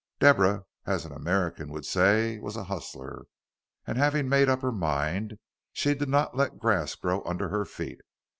Deborah, as an American would say, was a "hustler," and having made up her mind, she did not let grass grow under her feet.